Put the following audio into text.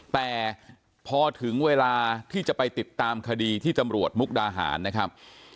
แต่พอถึงเวลาที่จะไปติดตามคดีที่ตำรวจมุกดาหารนะครับ